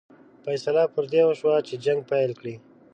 فیصله پر دې وشوه چې جنګ پیل کړي.